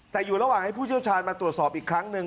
แต่อยู่ระหว่างให้ผู้เชี่ยวชาญมาตรวจสอบอีกครั้งหนึ่ง